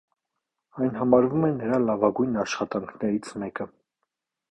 Այն համարվում է նրա լավագույն աշխատանքներից մեկը։